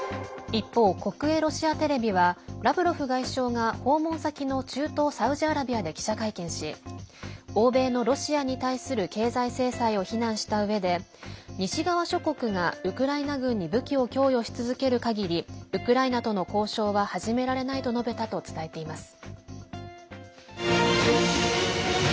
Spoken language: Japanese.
一方、国営ロシアテレビはラブロフ外相が訪問先の中東サウジアラビアで記者会見し欧米のロシアに対する経済制裁を非難したうえで西側諸国がウクライナ軍に武器を供与し続ける限りウクライナとの交渉は始められないと述べたと伝えています。